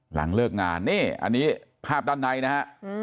หลังเลิกงานนี่อันนี้ภาพด้านในนะฮะ